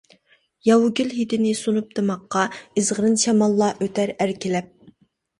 ياۋا گۈل ھىدىنى سۇنۇپ دىماققا، ئىزغىرىن شاماللار ئۆتەر ئەركىلەپ.